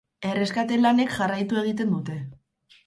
Erreskate lanek jarraitu egiten dute.